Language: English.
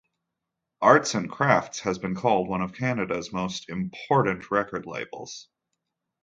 Arts and Crafts has been called one of Canada's most important record labels.